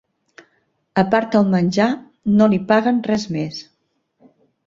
A part el menjar, no li paguen res més.